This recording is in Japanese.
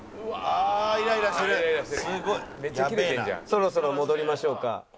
そろそろ戻りましょうか高野。